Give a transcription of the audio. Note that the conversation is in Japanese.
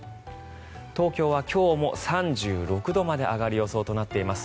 東京は今日も３６度まで上がる予想となっています。